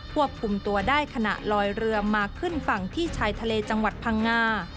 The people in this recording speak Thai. ควบคุมตัวได้ขณะลอยเรือมาขึ้นฝั่งที่ชายทะเลจังหวัดพังงา